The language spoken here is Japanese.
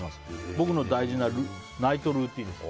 僕の大事なナイトルーチンです。